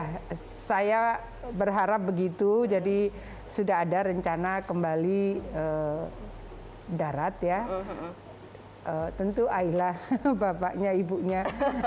ya saya berharap begitu jadi sudah ada rencana kembali darat ya tentu aila bapaknya ibunya